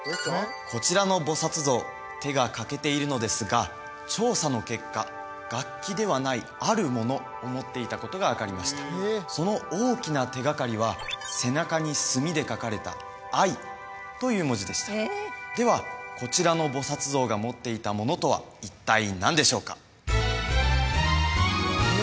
こちらの菩薩像手が欠けているのですが調査の結果楽器ではないあるものを持っていたことが分かりましたその大きな手がかりは背中に墨で書かれた「愛」という文字でしたではこちらの菩薩像が持っていたものとは一体何でしょうか？